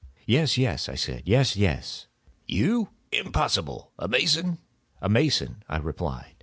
"Yes, yes," I said, "yes, yes." "You? Impossible! A mason?" "A mason," I replied.